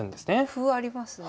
歩ありますね。